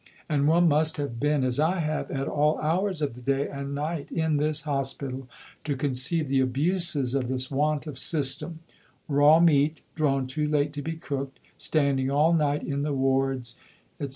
And one must have been, as I have, at all hours of the day and night in this Hospital to conceive the abuses of this want of system raw meat, drawn too late to be cooked, standing all night in the wards, etc.